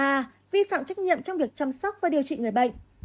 vi phạm trách nhiệm trong việc chăm sóc và điều trị người bệnh